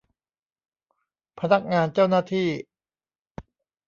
พนักงานเจ้าหน้าที่